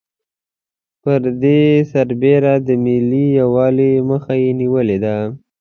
پر دې سربېره د ملي یوالي مخه یې نېولې ده.